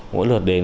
mỗi lượt đến